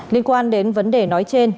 liên quan đến vấn đề nói trên